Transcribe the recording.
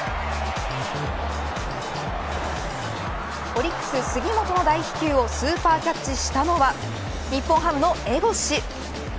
オリックス杉本の大飛球をスーパーキャッチしたのは日本ハムの江越。